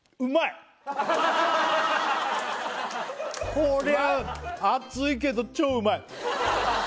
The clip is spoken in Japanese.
こりゃ熱いけど超うまい！